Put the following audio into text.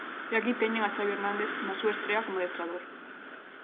E aquí teñen a Xavi Hernández, na súa estrea como adestrador.